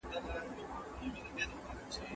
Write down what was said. کله به نړیواله ټولنه سفیر تایید کړي؟